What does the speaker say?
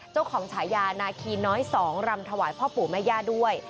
ฉายานาคีน้อย๒รำถวายพ่อปู่แม่ย่าด้วย